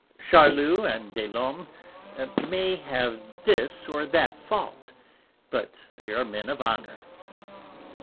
Charlus and des Laumes may have this or that fault, but they are men of honour.